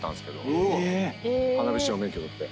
花火師の免許取って。